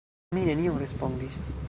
Mi nenion respondis.